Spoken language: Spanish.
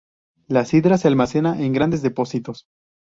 La sidra se almacena en grandes depósitos.